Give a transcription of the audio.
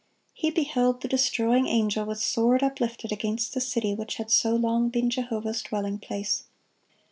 He beheld the destroying angel with sword uplifted against the city which had so long been Jehovah's dwelling place.